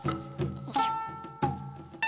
よいしょ。